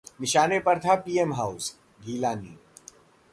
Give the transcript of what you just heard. निशाने पर था पीएम हाउस: गिलानी